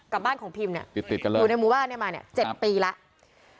กับบ้านของพิมอยู่ในหมู่บ้านมา๗ปีแล้ว